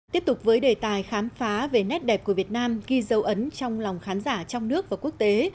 tiếp tục với đề tài khám phá về nét đẹp của việt nam ghi dấu ấn trong lòng khán giả trong nước và quốc tế